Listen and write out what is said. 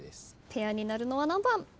ペアになるのは何番？